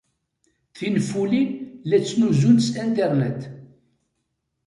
Tinfulin la ttnuzunt s Internet.